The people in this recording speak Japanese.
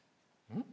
うん？